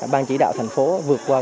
ban chỉ đạo thành phố vượt qua